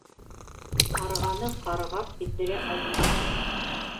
Ҡарғаны ҡарғап биҙҙерә алмаҫһың.